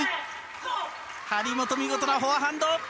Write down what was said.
張本、見事なフォアハンド。